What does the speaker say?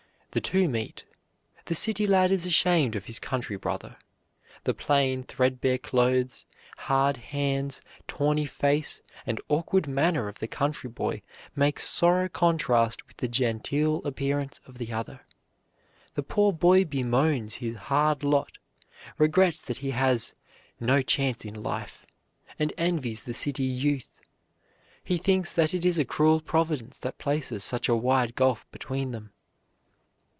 The two meet. The city lad is ashamed of his country brother. The plain, threadbare clothes, hard hands, tawny face, and awkward manner of the country boy make sorry contrast with the genteel appearance of the other. The poor boy bemoans his hard lot, regrets that he has "no chance in life," and envies the city youth. He thinks that it is a cruel Providence that places such a wide gulf between them.